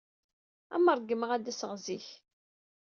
Ad am-ṛeggmeɣ ad d-aseɣ zik.